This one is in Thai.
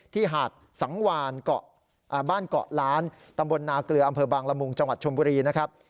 หาดสังวานเกาะบ้านเกาะล้านตำบลนาเกลืออำเภอบางละมุงจังหวัดชมบุรีนะครับ